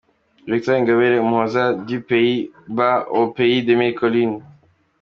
Victoire Ingabire Umuhoza, du Pays Bas au pays des mille collines.